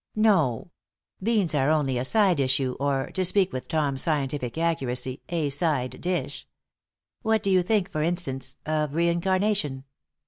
"No. Beans are only a side issue, or, to speak with Tom's scientific accuracy, a side dish. What do you think, for instance, of reincarnation?"